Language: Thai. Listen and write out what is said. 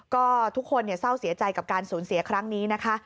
ก็ทุกคนเศร้าเสียใจกับการสูญเสียครั้งนี้นะคะ